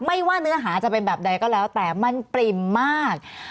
ว่าเนื้อหาจะเป็นแบบใดก็แล้วแต่มันปริ่มมาก